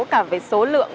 cả về số lượng